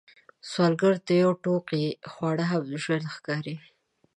سوالګر ته یو ټوقی خواړه هم ژوند ښکاري